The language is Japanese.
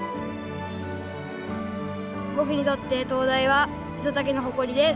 僕にとって灯台は五十猛の誇りです。